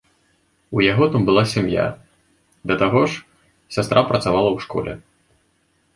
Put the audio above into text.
У яго там была сям'я, да таго ж, сястра працавала ў школе.